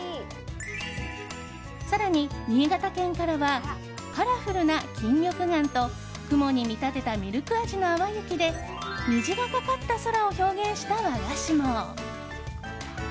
更に新潟県からはカラフルな錦玉羹と雲に見立てたミルク味の淡雪で虹がかかった空を表現した和菓子も。